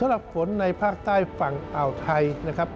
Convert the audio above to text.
สำหรับฝนในภาคใต้ฝั่งอ่าวไทยนะครับ